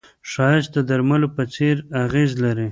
ښایست د درملو په څېر اغېز لري